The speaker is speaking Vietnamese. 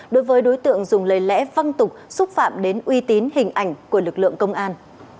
đối với đối tượng dùng lời lẽ văng tục xúc phạm đến uy tín hình ảnh của lực lượng công an